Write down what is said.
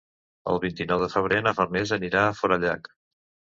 El vint-i-nou de febrer na Farners anirà a Forallac.